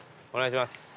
お願いします。